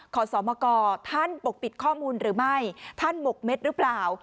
ขอสมกท่านปกปิดข้อมูลหรือไม่ท่านหมกเม็ดหรือเปล่า